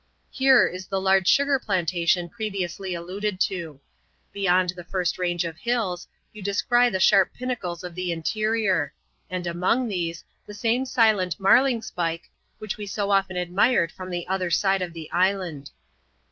Here is the large sugar plantation previously alluded to. Beyond the first range of hills, you descry the sharp pinnacles of the interior ; and among these, the same silent Marling spike which we so often admired from the other side of the island.